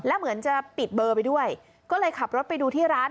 แล้วเหมือนจะปิดเบอร์ไปด้วยก็เลยขับรถไปดูที่ร้าน